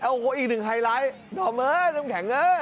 โอ้โฮอีกหนึ่งไฮไลท์น้ำแข็งเว้ย